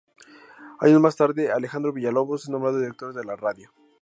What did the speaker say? Años más tarde, Alejandro Villalobos es nombrado director de la radio.